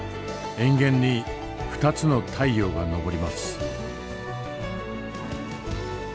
塩原に２つの太陽が昇ります。